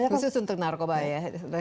khusus untuk narkoba ya